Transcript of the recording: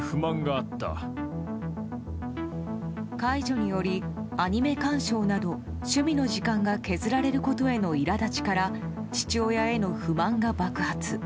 介助によりアニメ鑑賞など趣味の時間が削られることへの苛立ちから父親への不満が爆発。